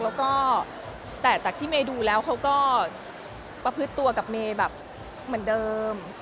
แล้วก็แต่จากที่เมย์ดูแล้วเขาก็ประพฤติตัวกับเมย์แบบเหมือนเดิม